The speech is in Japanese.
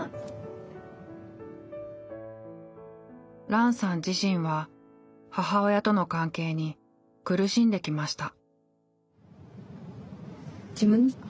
ランさん自身は母親との関係に苦しんできました。